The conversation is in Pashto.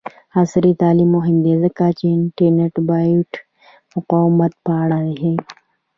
عصري تعلیم مهم دی ځکه چې د انټي بایوټیک مقاومت په اړه ښيي.